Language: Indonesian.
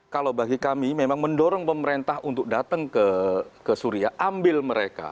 kalau bagi kami memang mendorong pemerintah untuk datang ke suria ambil mereka